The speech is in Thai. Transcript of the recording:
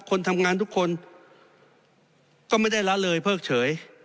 คนทำงานทุกคนก็ไม่ได้ละเลยเพิกเฉย